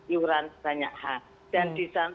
iuran banyak hal dan di sana